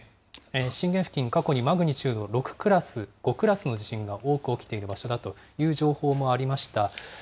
震源付近、過去にマグニチュード６クラス、５クラスの地震が多く起きている場所だという情報もありました。